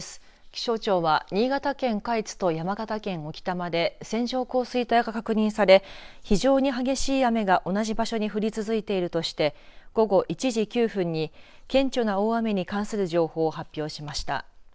気象庁は新潟県下越と山形県置賜で線状降水帯が確認され非常に激しい雨が同じ場所に降り続いているとして午後１時９分に顕著な大雨に関する情報を発表しました。